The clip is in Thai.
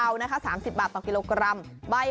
กระเทียมไทยแกะกลีบ๕๒บาทต่อกิโลกรัมจ้า